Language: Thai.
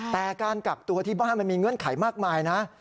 แต่การกักตัวที่บ้านมันมีเงื่อนไขมากมายนะ